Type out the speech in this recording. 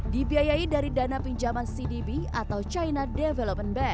dibiayai dari dana pinjaman cdb atau china development bank